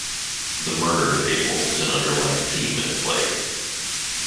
The murder of Abel is an underlying theme in the play.